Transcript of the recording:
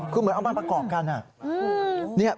คือเหมือนเอามาประกอบกัน